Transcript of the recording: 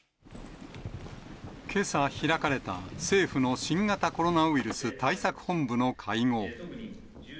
けさ開かれた、政府の新型コロナウイルス対策本部の会合。